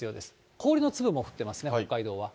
氷の粒も降ってますね、北海道は。